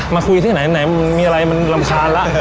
มาคุยที่ไหนมีอะไรมันรำคาญละ